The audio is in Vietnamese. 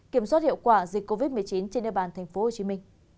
kiểm soát hiệu quả dịch covid một mươi chín trên địa bàn tp hcm